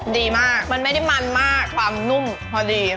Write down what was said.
ดีมากมันไม่ได้มันมากความนุ่มพอดี